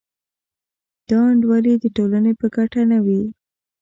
دا نا انډولي د ټولنې په ګټه نه وي.